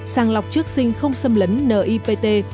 sàng lọc trước sinh không xâm lấn nipt